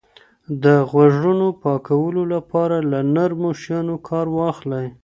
د غوږونو پاکولو لپاره له نرمو شیانو کار واخلئ.